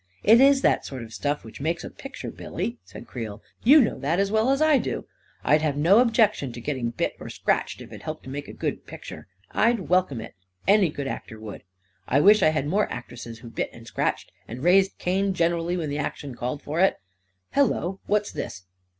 " It is that sort of stuff which makes a picture, Billy," said Creel; " you know that as well as I do. I'd have no objection to getting bit or scratched, if it helped make a good picture. I'd welcome it! Any good actor would I I wish I had more actresses A KING IN BABYLON *95 who bit and scratched and raised Cain generally when the action called for itl Hello 1 What's this?"